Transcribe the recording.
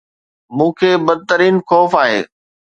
مون کي بدترين خوف آهي